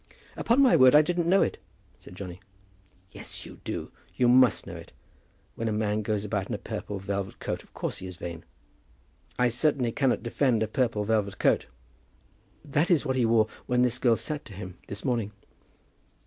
"Upon my word I didn't know it," said Johnny. "Yes, you do. You must know it. When a man goes about in a purple velvet coat of course he is vain." "I certainly cannot defend a purple velvet coat." "That is what he wore when this girl sat to him this morning."